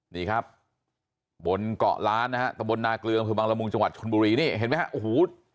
นี่ครับบนเกาะล้านนะฮะตะบนนาเกลืออำเภอบังละมุงจังหวัดชนบุรีนี่เห็นไหมฮะโอ้โห